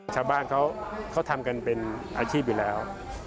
ชาวบ้านเขาทำกันเป็นอาชีพอยู่แล้ว